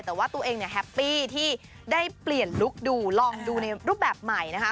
แต่ว่าตัวเองเนี่ยแฮปปี้ที่ได้เปลี่ยนลุคดูลองดูในรูปแบบใหม่นะคะ